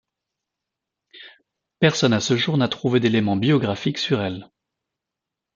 Personne à ce jour n'a trouvé d'éléments biographiques sur elle.